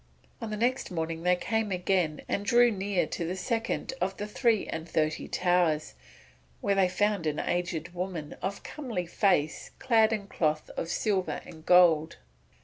On the next morning they came again and drew near to the second of the three and thirty towers, where they found an aged woman of comely face clad in cloth of silver and gold.